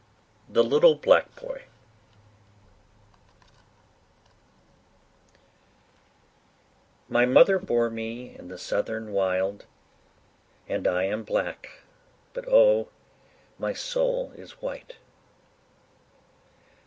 THE LITTLE BLACK BOY My mother bore me in the southern wild, And I am black, but O my soul is white!